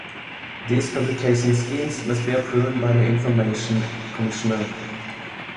These publication schemes must be approved by the Information Commissioner.